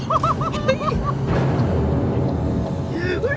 ป่าเขพอแล้ว